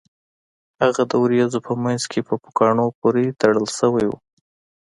هغه د ورېځو په مینځ کې په پوکاڼو پورې تړل شوی و